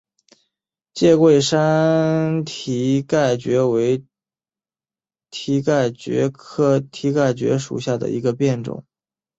介贵山蹄盖蕨为蹄盖蕨科蹄盖蕨属下的一个变种。